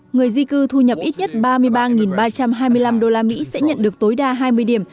người di cư thu nhập ít nhất ba mươi ba ba trăm hai mươi năm usd sẽ nhận được tối đa hai mươi điểm